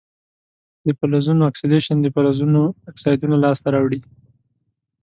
د فلزونو اکسیدیشن د فلزونو اکسایدونه لاسته راوړي.